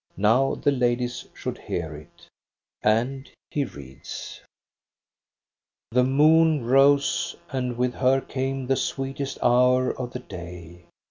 Now the ladies should hear it. And he reads :—" The moon rose, and with her came the sweetest hour of the day.